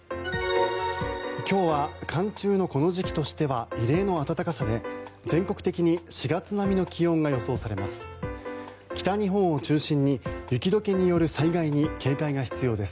今日は寒中のこの時期としては異例の暖かさで全国的に４月並みの気温が予想されます。